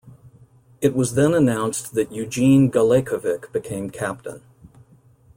It was then announced that Eugene Galekovic became captain.